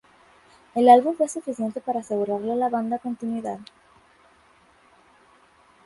El álbum fue suficiente para asegurarle a la banda continuidad.